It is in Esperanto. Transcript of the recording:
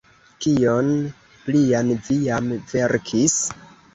Kion plian vi jam verkis?